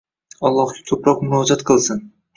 Allohga ko‘proq murojaat qilsin.